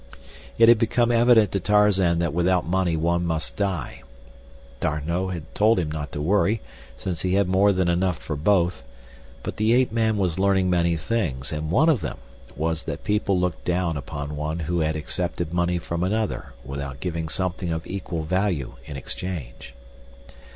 It had become evident to Tarzan that without money one must die. D'Arnot had told him not to worry, since he had more than enough for both, but the ape man was learning many things and one of them was that people looked down upon one who accepted money from another without giving something of equal value in exchange.